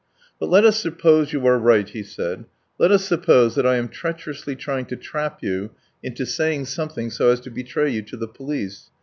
"But let us suppose you are right," he said, "let us suppose that I am treacherously trying to trap you into saying something so as to betray you to the police.